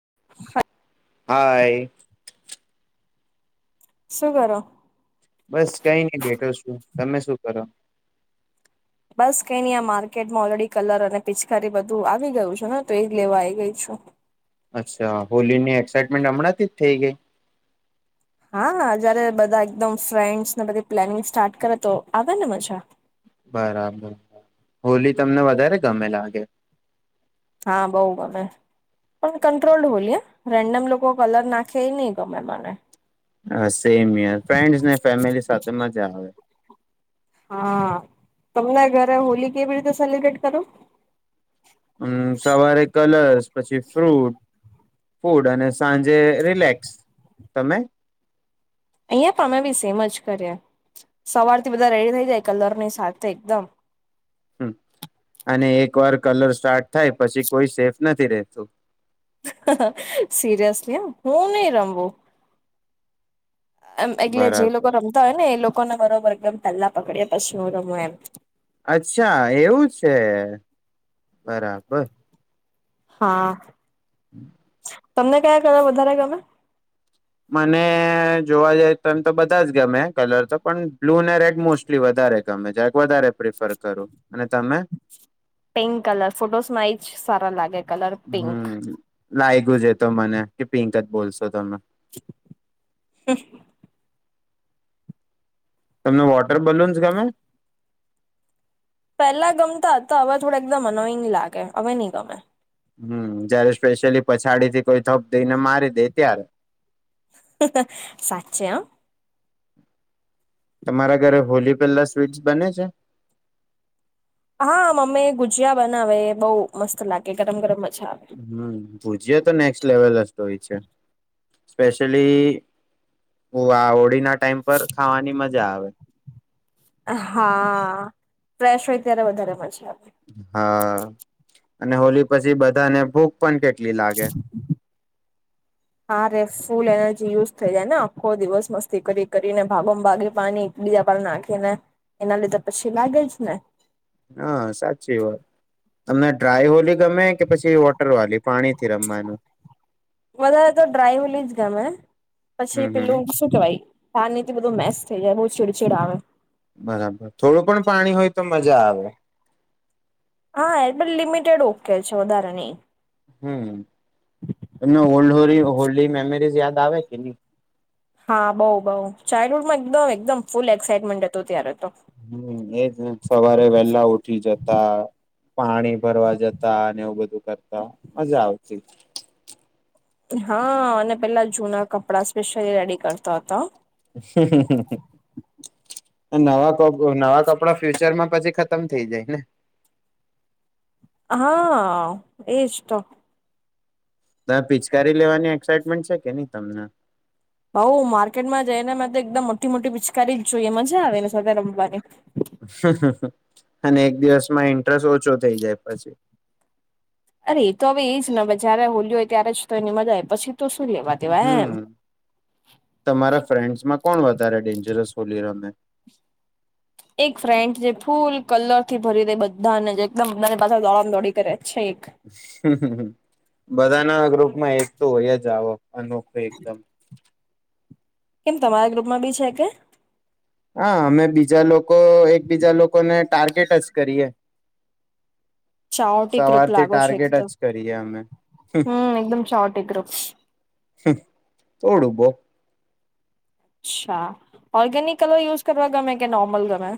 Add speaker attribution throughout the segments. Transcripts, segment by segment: Speaker 1: [unintelligible]
Speaker 2: હાય.
Speaker 1: શુ કરો.
Speaker 2: બસ કઈ નહી બેઠો શું. તમે શું કરો?
Speaker 1: બસ કઈ ન આ માર્કેટમાં ઓલરેડી કલર અને પિચકારી બધું આવી ગયું છું ને તો એજ લેવા આવી ગઈ છું.
Speaker 2: અચ્છા હોલીની એક્સાઈટમેન્ટ હમણાં થી જ થઈ ગઈ.
Speaker 1: હા જયારે બધા એકદમ ફ્રેન્ડસને બધી પ્લાનિંગ સ્ટાર્ટ કરે તો આવેને મજા
Speaker 2: બરાબર હોલી તમને વધારે ગમે લાગે.
Speaker 1: હા બઉુ ગમે પણ કટ્રોલ્ડ હોલીય રેન્ડમ લોકો કલર નાખે એ નહી ગમે મને
Speaker 2: હ સેમ હિયર ફ્રેન્ડને ફેમિલી સાથે મજા આવે.
Speaker 1: હા તમને ઘરે હોલી કેવી રીતે સેલિબ્રેટ કરો?
Speaker 2: હમ સવારે કલર્સ પછી ફ્રૂટ ફૂડ અને સાંજે રિલેક્સ તમે
Speaker 1: અહીયા પણ અમે બી સેમ જ કરીએ સવારથી બધા રેડી થઈ જાય કલરની સાથે એકદમ
Speaker 2: હમ અને એક વાર કલર સ્ટાર્ટ થાય પછી કોઈ સેફ નથી રેતું.
Speaker 1: સિરિયસલી હું નહી રમું. એમ એકલે જે લોકો
Speaker 2: બરાબર
Speaker 1: રમતા હોય ને એ લોકો ને બરોબર એકદમ પેલ્લા પકડી પછી શું રમું એમ.
Speaker 2: અચ્છા એવું છે બરાબર.
Speaker 1: હા.
Speaker 2: હમ.
Speaker 1: તમને કયા કલર વધારે ગમે.
Speaker 2: મને જોવા જઈ તો એમ તો બધા જ ગમે કલર તો પણ બ્લુ અને રેડ મોસ્ટલી વધારે ગમે છે વધારે પ્રિફર કરું અને તમે
Speaker 1: પિંક કલર ફોટોસમાં એ જ સારા લાગે છે.
Speaker 2: હમ લાયગું જ એ તો મને કે પિંક જ બોલશો તમે.
Speaker 1: હ.
Speaker 2: તમને વોટર બલૂન્સ ગમે?
Speaker 1: પેલા ગમતા હતા. હવે થોડ એકદમ અનોયિંગ લાગે હવે નહ ગમે.
Speaker 2: હમ જયારે સ્પેશિયલી પછાડી થી કોઈ થપ દઈને મારી દે ત્યારે
Speaker 1: હ હ સાચે હ.
Speaker 2: તમારા ઘરે હોલી પેલા સ્વીટ્સ બને છે.
Speaker 1: હા મમ્મી ગુજિયા બનાવે બહુ મસ્ત લાગે ગરમ ગરમ. મજા આવે.
Speaker 2: હમ ભૂજય તો નેક્સ્ટ લેવલ જ તો હોય છે. સ્પેશલી આ હોળી ના. ટાઈમ પર ખાવાની મજા આવે.
Speaker 1: હા ફ્રેશ હોય ત્યારે વધારે મજા આવે.
Speaker 2: હા અને હોલી પછી બધાને ભૂક
Speaker 1: હા રે ફૂલ એનર્જી યુઝ થઈ જાય ને આખો દિવસ મસ્તી કરી કરીને ભાગો ભાગે પાની એક બીજા ઉપર નાખી ને એના લીધે પછી લાગે જ ને
Speaker 2: હા સાચી વાત. તમને ડ્રાય હોલી ગમે કે પછી વોટર વાલી? પાણી થી રમવાનું
Speaker 1: લીઝ ગમે. પછી
Speaker 2: હમ હમ
Speaker 1: પેલું શું કેવાય? પાણીથી બધું મેસ થઈ જાય બહુ ચીડચીડ આવે.
Speaker 2: બરાબર થોડું પણ પાણી હોય તો મજા આવે.
Speaker 1: હા એ લિમિટેડ ઓકે છે વધારે નહી.
Speaker 2: હમ એમને હોલ્ડ હો હોલ્ડ મેમરીઝ યાદ આવે કે ની?
Speaker 1: હા બઉ બઉ ચાઇલ્ડહુડમાં એકદમ-એકદમ ફૂલ એક્સાાઈટમેન્ટ હતું ત્યારે. તો
Speaker 2: હમ એજ સવારે વેલા ઉઠી જતા. પાણી ભરવા જતા અને એવું બધું કરતા મજા આવતી
Speaker 1: હા અને પેલા જૂના કપડા સ્પેશ્યયલી રેડી કરતો હતો
Speaker 2: [inaudible] નવા નવા કપડા ફ્યુચરમાં પછી ખતમ થઈ જાય ને
Speaker 1: હા એસ્ટ
Speaker 2: [unintelligible] પિચકારી લેવાની એક્સાઈટમેન્ટ છે કે નહી તમને
Speaker 1: બઉ માર્કેટમાં જઈ ને તો એકદમ મોટી મોટી પિચકારી જ જોઈએ મજા આવે ને સાથે રમવાની
Speaker 2: [inaudible] અને એક દિવસમાં ઇન્ટરેસ્ટ ઓછો થઇ જાય પછી
Speaker 1: અરે એ તો હવે એ જ જયારે હોલી હોય ત્યારે જ તો એની મજા આવે પછી તો શું લેવા દેવા એમ
Speaker 2: હમ તમારા ફ્રેન્ડસમાં કોણ વધારે ડેન્જરસ હોલી રમે
Speaker 1: એક ફ્રેન્ટ જે ફૂલ કલર થી ભરી દે બધાને જે એકદમ બધાની પાસે દોડમ દોડી કરે છે એક
Speaker 2: [unintelligible] બધાના ગ્રુપમાં એક તો હોય જ આવો અનોખો એકદમ
Speaker 1: કેમ તમારા ગ્રુપમાં બી છે કે
Speaker 2: હા અમે બીજા લોકો એકબીજા લોકોને ટાર્ગેટ જ કરીએ
Speaker 1: ચાઓટી ગ્રુપ
Speaker 2: સવારથી
Speaker 1: લાગો છો
Speaker 2: ટાર્ગેટ
Speaker 1: એકદમ
Speaker 2: જ કરીએ અમે
Speaker 1: હમ એકદમ ચાઓટી ગ્રુપ
Speaker 2: થોડું બો
Speaker 1: અચ્છા ઓર્ગેનિક કલર યુઝ કરવા ગમે કે નોર્મલ ગમે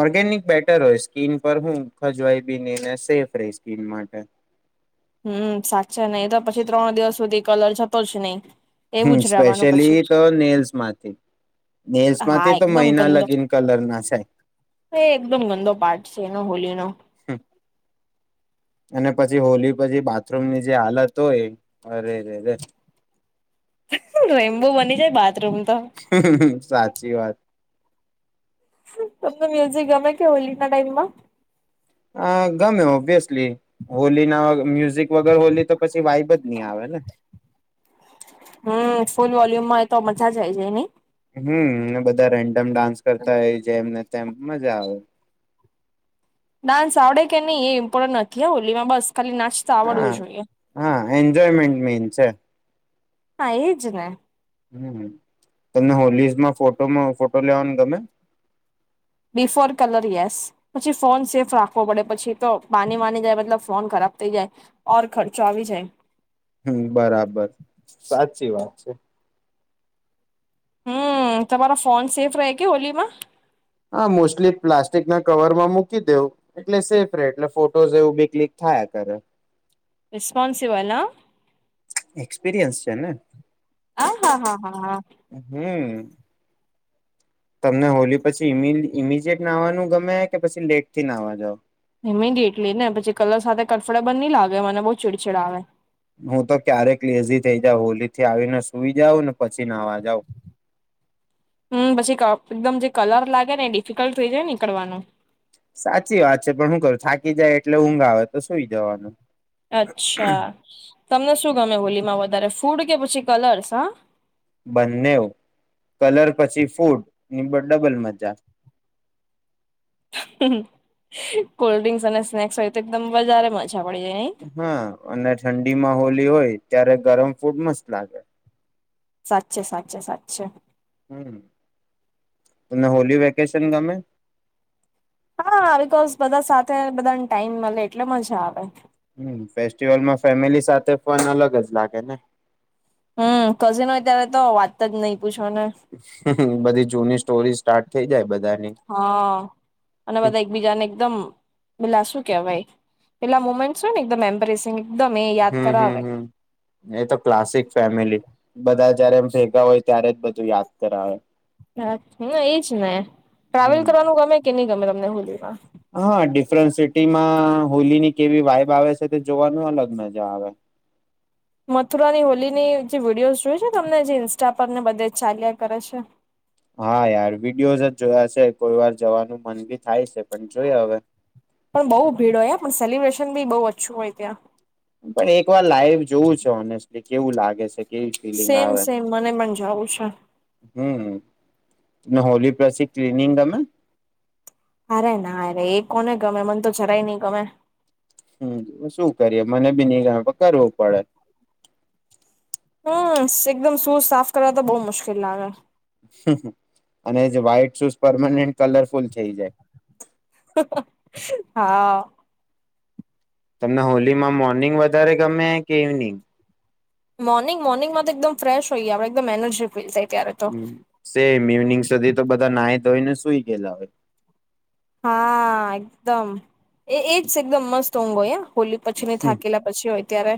Speaker 2: ઓર્ગેનિક બેટર હોય સ્કીિન પર હું ખજવાય બી નઈ ને સેફ રહી સ્કિન માટે
Speaker 1: હમ સાચ છે નહિ તો પછી ત્રણ દિવસ સુધી કલર જતો જ નહી
Speaker 2: હ
Speaker 1: એવું જ રહેવાનું પછી
Speaker 2: સ્પેશિયલી તો નેલ્સ માંથી નેલ્સ
Speaker 1: હા
Speaker 2: માંથી તો
Speaker 1: એકદમ
Speaker 2: મહિના
Speaker 1: ગંદો
Speaker 2: લગીન કલર ના જાય
Speaker 1: એ ન હોલી નો
Speaker 2: અને પછી હોલી પછી બાથરૂમ ની જે હાલત હોય અરે રરે રે
Speaker 1: રેમ્બુ બની જાય બાત
Speaker 2: હ હ હ સાચ સાચી વાત
Speaker 1: તમને મ્યુઝિક ગમે કે હોલી ના ટાઈમમાં
Speaker 2: અ ગમે ઓબ્વિયસલી હોલી ના મ્યુઝિક વગર હોલી તો પછી વાઈબ જ નહી આવે ને
Speaker 1: હમ ફૂલ વોલ્યુમમાં એ તો મજા જાય જ ન
Speaker 2: હમમ બધા ર મ ડાન્સ કરતા હોય જે એમને તેમ મજા આવે
Speaker 1: ડાન્સ આવડે કે નહી એ ઇમ્પોર્ટન્ટ નથી હોલીમાં બસ ખાલી નાચતા આવડવું
Speaker 2: હા
Speaker 1: જોઈએ
Speaker 2: હા એન્જોયમેન્ટ મીન છે
Speaker 1: હા એજ ને
Speaker 2: હમ તમને હોલીઝમાં ફોટોમાં ફોટો લેવાનું ગમે
Speaker 1: બિફોર કલર યસ પછી ફોન સેફ રાખવો પડે પછી તો પાની વાની જાય મતલબ ફોન ખરાબ થઈ જાય ઓર ખર્ચો આવી જાય
Speaker 2: હમ બરાબર સાચી વાત છે
Speaker 1: હમ તમારા ફોન સેફ રહે કે હોલીમાં
Speaker 2: હા મોસ્ટલી પ્લાસ્ટિક ના કવરમાં મૂકી દેવું એટલે સેફ રે એટલે ફોટોઝ એવું બી ક્લિક થાયા કરે
Speaker 1: રિસ્પોન્સિબલઆ.
Speaker 2: એક્સપિરિયન્સ છે ને.
Speaker 1: આ હા હા હા.
Speaker 2: હમ તમને હોલી પછી ઈમી ઈમીજયટ નાવાનું ગમે કે પછી લેટ થી નાવા જાવ
Speaker 1: ઇમિડિએટલી ને પછી કલર સાથે કોમ્ફટેબલ નહી લાગે મને બહુ ચીડછીડ આવે.
Speaker 2: હું તો ક્યારેક લેઝી થઈ જાઉ હોલી થી આવીને સુઈ જાઉં ને પછી નાવા જાઉં.
Speaker 1: હમ પછી ક એકદમ જે કલર લાગે ને એ ડિફિકલ્ટ થઈ જાય નીકળવાનું.
Speaker 2: સાચી વાત છે પણ હુ કરું થાકી જાય એટલે ઊંઘ આવે તો સુઈ જવાનું.
Speaker 1: અચ્છા. તમને શું ગમે હોલીમાં વધારે ફૂડ કે પછી કલર્સ? હા.
Speaker 2: બંનેવ કલર પછી ફૂડ ની ડબલ મજા.
Speaker 1: હહહ કોલ્ડ ડ્રિંસ અને સ્નેક્સ હોય તો એકદમ વધારે મજા. પડી જાય નઈ
Speaker 2: હમ્મ અને ઠંડી માં હોલી હોય ત્યારે ગરમ ફૂડ મસ્ત લાગે.
Speaker 1: સાચે સાચે સાચે.
Speaker 2: હમ્મ તને હોલી વેકેશન ગમે?
Speaker 1: હા બીકોઝ બધા સાથે બધાને ટાઈમ મળે એટલે મજા આવે.
Speaker 2: હમ્મ ફેસ્ટિવલમાં ફેમિલી સાથે પણ અલગ જ લાગે ને.
Speaker 1: હમ્મ કઝિન હોય ત્યારે તો વાત જ નહિ
Speaker 2: બધી જૂની સ્ટોરીઝ સ્ટાર્ટ થઈ જાય બ
Speaker 1: હ અને બધા એકબીજાને એકદમ મિલાસું કહેવાય પેલા મુમેન્ટસ હોય ને એકદમ એમ્બેસીંગ
Speaker 2: હમ્મ હમ્મ એ તો ક્લાસિક ફેમિલી બધા જયારે ભેગા હોય ત્યારે બધું યાદ કરાવે.
Speaker 1: હ ન ઈજને
Speaker 2: હમ
Speaker 1: ટ્રાવેલ કરવાનું ગમે કે ની. તમને તમને હુ કેવા.
Speaker 2: હા ડિફરેન સિટીમાં અ હોલી ની કેવી વાઈબ આવે છે તે જોવાનું અલગ મજા આવે.
Speaker 1: મથુરાની હોલીની જે વિડીયોઝ જોય છે તમને જે ઇન્સ્ટા પર ને બધે ચાલ્યા કરે છે?
Speaker 2: હા યાર વિડીયોઝ જ જોયા છે કોઈ વાર જવાનું મન ભી થાય છે પણ જોઈએ હવે.
Speaker 1: પણ બહુ ભીડ હોય પણ સેલિબ્રેશન બી બહુ અચ્છું હોય ત્યાં.
Speaker 2: પણ એક વાર લાઈવ જોવું છે ઓનેસ્ટલી કેવું લાગે છે. કેવી ફિલિંગ
Speaker 1: સેમ
Speaker 2: આવે
Speaker 1: સેમ મને મણ જાઉં છે.
Speaker 2: હમ ને હોલી પ્રસી ક્લિનિંગ ગમે?
Speaker 1: અરે ના રે એ કોને ગમે મને તો જરાય નહી ગમે.
Speaker 2: હમ્મ શું કરીએ મને બી નહીં ગમે કરવું પડે.
Speaker 1: હમ્મ એકદમ શૂઝ સાફ કરવા તો બહુ મુશ્કેલ લાગે.
Speaker 2: અને જે વ્હાઈટ શૂઝ પરમેન્ટ કલરફુલ થઈ જાય.
Speaker 1: હા.
Speaker 2: તમને હોલી માં મો નિંગ વધારે ગમે કે ઇવેનિંગ?
Speaker 1: મોર્નિંગ મોર્નિંગમાં તો એકદમ ફ્રેશ હોઈએ આપણે એકદમ એનર્જી ફીલ થઇ
Speaker 2: સેમ ઇવનિંગ સુધી તો બધા નાહી ધોઈને સુઈ ગેલા હોય.
Speaker 1: હા એકદમ એ એજ એકદમ મસ્ત ઊંઘ હોય હા. હોલી પછી ને થાકેલા પછી હોય. ત્યાંરે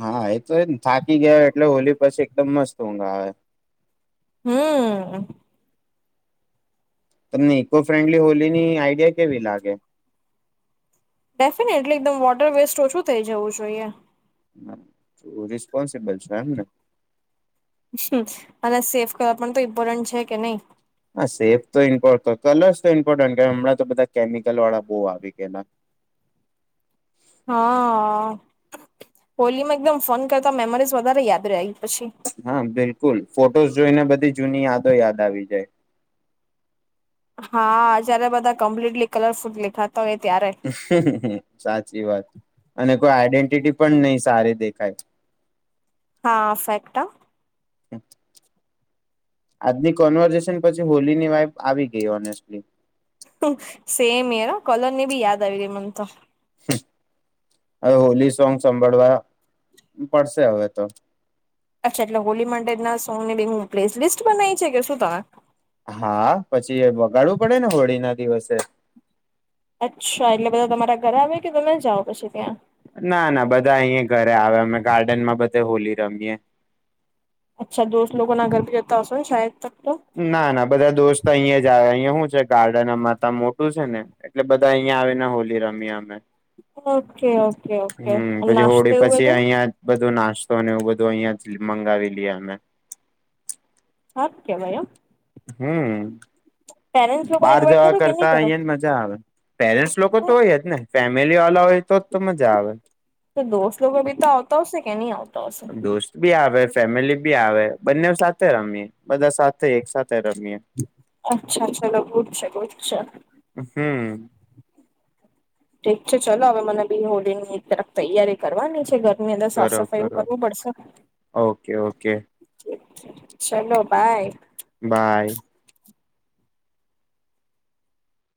Speaker 2: હા એ તો એ થાકી ગયા એટલે હોલી પછી એકદમ મસ્ત ઊંઘ આવે.
Speaker 1: હમ્મ.
Speaker 2: તમને ઈકો ફ્રેન્ડલી હોલી ની આઈડિયા કેવી લાગે?
Speaker 1: ડેફિનેટલી એકદમ વોટર વેસ્ટ ઓછું થઇ જવું જોઈએ.
Speaker 2: રિસ્પોન્સિબલ છે એમને.
Speaker 1: અને સેફ કલર પણ તો ઇમ્પોર્ટન્ટ છે કે નહી.
Speaker 2: હા સેફ તો ઇમ્પોર્ટ કલર્સ તો ઇમ્પોર્ટન્ટ હમણાં તો બધા કેમિકલ વાળા બહ આવી ગયેલા.
Speaker 1: હા હોલીમાં એકદમ ફોન કરતા મેમરીઝ વધારે યાદ રેય.
Speaker 2: હા બિલકુલ. ફોટોસ જોઈને બધી જૂની યાદો યાદ આવી જાય.
Speaker 1: હા જય્યારે બધા કમ્પ્લીટલી કલરફુલ લેખા
Speaker 2: સાચી વાત અને કોઈ આઈડેન્ટિટી પણ નહી સારે દેખાય.
Speaker 1: હા ફેક્ટ હા.
Speaker 2: આજની કોન્વર્ઝેશન પછી હોલીની વાઈબ આવી ગઈ ઓનેસ્ટલી.
Speaker 1: સેમ એરા કોલોરની બી યાદ આવી રહી મને તો.
Speaker 2: હવે હોલી સોંગ સાંભળવા પડશે હવે તો.
Speaker 1: અચ્છા એટલે હોલી મંડે ના સોંગની બી હું પ્લેલિસ્ટ બનાવી છે કે શું તમે?
Speaker 2: હા પછી વગાડવું પડે ને હોળી ના દિવસે.
Speaker 1: અચ્છા એટલે બધા તમારા ઘરે આવે કે તમે જાઓ પછી ત્યાં.
Speaker 2: ના ના બધા અહીં ઘરે આવે અમે ગાર્ડન માં બધે હોલી રમીએે.
Speaker 1: અચ્છા દોસ્ત લોકોના ઘર ભી જતા હોસૌ ને શાયદ તો.
Speaker 2: ના ના બધા દોસ્ત અહીયાં જ આવે અહીયા હું ગાર્ડન માતા મોટું છે ને એટલે બધા અહિયાં આવીને હોલી રમી અમે.
Speaker 1: ઓકે ઓકે ઓકે
Speaker 2: હમ પછી
Speaker 1: નાસ્તો
Speaker 2: હોળી
Speaker 1: એવું
Speaker 2: પછી
Speaker 1: બધું
Speaker 2: અહિયાં બધું નાસ્ત. તોને એ બધું અહિયાં જ મંગાવી લએ અમે.
Speaker 1: હક કેવાય હમ.
Speaker 2: હમ.
Speaker 1: લોકોને
Speaker 2: બાર
Speaker 1: ઇન્વાઈટ
Speaker 2: જવા
Speaker 1: કરો કે નહી
Speaker 2: કરતા
Speaker 1: કરો
Speaker 2: અહીંયા જ મજા આવે, પેરેન્ટ્સ લોકો તો હોય જ ને. ફેમિલી વાળા હોય તો જ તો મજા આવે
Speaker 1: તો દોસ લોકો અભી તો આવતા હશે? કેની આવ?
Speaker 2: દોસ્ત ભી આવે. ફેમિલી બી આવે બંને સાથે રમીએ, બધા સાથે એક સાથે રમીએ
Speaker 1: અચ્છા અચ્છા બુ જ છે બહ અચ્છા.
Speaker 2: હમ.
Speaker 1: ઠીક છે ચાલો હવે મને બી હોળની તરફ તૈયારી કરવાની છે ઘર એની અંદર સાફ
Speaker 2: કરો
Speaker 1: સફાઈું
Speaker 2: કરો
Speaker 1: કરવું પડશે.
Speaker 2: ઓકે ઓકે
Speaker 1: ચલો બાય.
Speaker 2: બાય.